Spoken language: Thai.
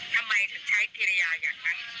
ทำไมถึงใช้กิริยาอย่างนั้น